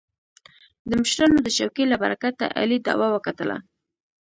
د مشرانو د چوکې له برکته علي دعوه وګټله.